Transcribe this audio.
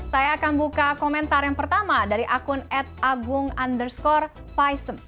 saya akan buka komentar yang pertama dari akun adagung underscore paisem